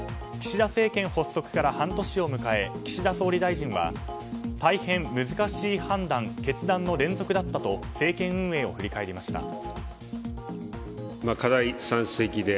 岸田政権発足から半年を迎え岸田総理大臣は大変難しい判断、決断の連続だったと政権運営を振り返りました。